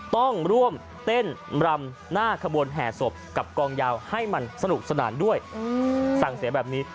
ต้องร่วมเต้นรำหน้าขบวนแห่ศพกับกองยาวให้มันสนุกสนานด้วยสั่งเสียแบบนี้